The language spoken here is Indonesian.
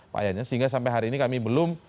pak yannya sehingga sampai hari ini kami belum